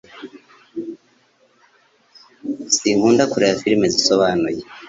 sinkunda kureba filime zisobanuye